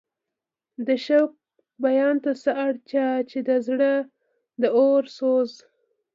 د شوق بیان ته څه اړتیا چې د زړه د اور سوز.